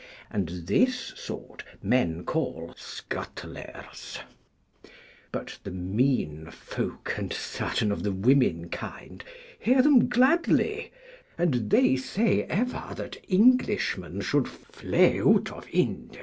And this sort men call Scuttleres, but the mean folk and certain of the womenkind hear them gladly, and they say ever that Englishmen should flee out of Ynde.